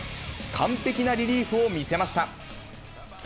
完璧なリリーフを見せました。